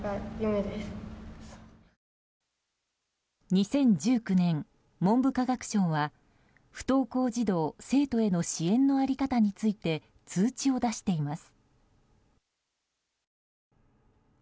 ２０１９年、文部科学省は不登校児童・生徒への支援の在り方について通知を出しています。